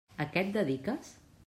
A què et dediques?